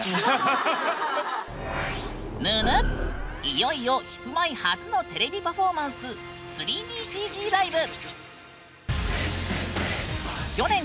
いよいよヒプマイ初のテレビパフォーマンス３ＤＣＧライブ！